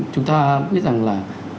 chúng ta biết rằng là